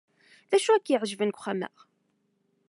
D acu ay k-iɛejben deg uxxam-a?